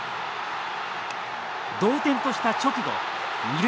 同点とした直後二塁